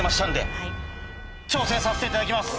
挑戦させていただきます！